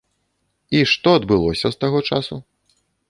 І што адбылося з таго часу?